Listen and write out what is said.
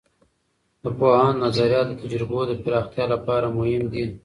د پوهاند نظریات د تجربو د پراختیا لپاره مهم دي.